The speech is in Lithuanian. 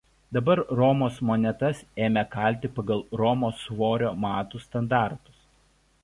Dabar Romos monetas ėmė kalti pagal Romos svorio matų standartus.